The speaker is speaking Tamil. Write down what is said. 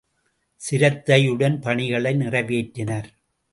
சிரத்தையுடன் பணிகளை நிறைவேற்றினர்.